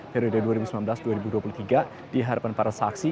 periode dua ribu sembilan belas dua ribu dua puluh tiga di hadapan para saksi